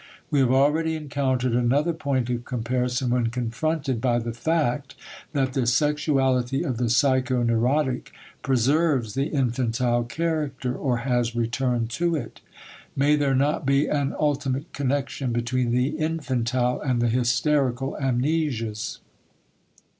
We have already encountered another point of comparison when confronted by the fact that the sexuality of the psychoneurotic preserves the infantile character or has returned to it. May there not be an ultimate connection between the infantile and the hysterical amnesias?